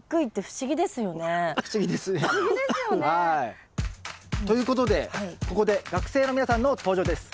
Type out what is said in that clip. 不思議ですよね。ということでここで学生の皆さんの登場です。